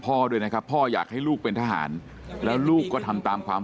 พ่อด้วยนะครับพ่ออยากให้ลูกเป็นทหารแล้วลูกก็ทำตามความ